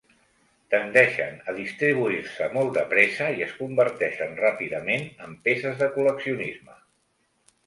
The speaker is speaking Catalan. Tendeixen a distribuir-se molt de pressa i es converteixen ràpidament en peces de col·leccionisme.